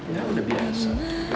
ya udah biasa